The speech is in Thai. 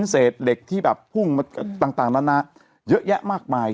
เศษเหล็กที่แบบพุ่งมาต่างนานาเยอะแยะมากมาย